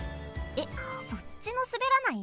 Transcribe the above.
えっそっちのすべらない？